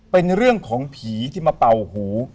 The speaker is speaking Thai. เป็นเรื่องของผีที่มาเป่าหู